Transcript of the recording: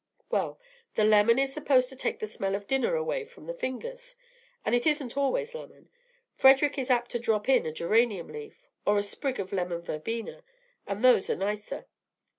"Well, the lemon is supposed to take the smell of dinner away from the fingers. And it isn't always lemon. Frederic is apt to drop in a geranium leaf or a sprig of lemon verbena, and those are nicer.